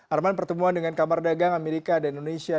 arman pertemuan dengan kamar dagang amerika dan indonesia